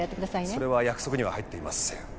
「それは約束には入っていません。